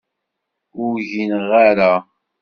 Ur gineɣ ara.